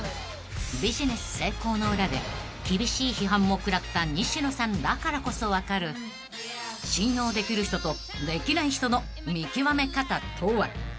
［ビジネス成功の裏で厳しい批判も食らった西野さんだからこそ分かる信用できる人とできない人の見極め方とは］